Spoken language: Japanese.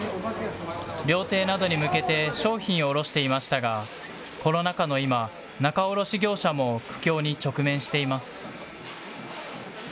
料亭などに向けて商品を卸していましたが、コロナ禍の今、仲卸業者も苦境に直面しています。